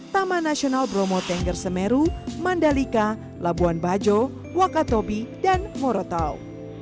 taman nasional bromo tengger semeru mandalika labuan bajo wakatobi dan morotau